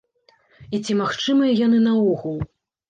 І ці магчымыя яны наогул?